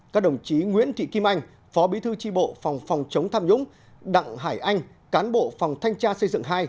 các đồng chí nguyễn thị kim anh phó bí thư tri bộ phòng phòng chống tham nhũng đặng hải anh cán bộ phòng thanh tra xây dựng hai